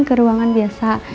ke ruangan biasa